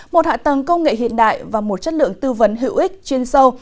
một hạ tầng công nghệ hiện đại và một chất lượng tư vấn hữu ích chuyên sâu